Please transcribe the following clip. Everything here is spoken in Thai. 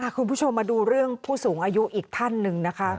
คุณผู้ชมมาดูเรื่องผู้สูงอายุอีกท่านหนึ่งนะคะ